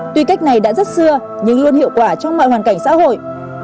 tuy cách này đã rất xưa nhưng hiệu quả trong mọi hoàn cảnh xã hội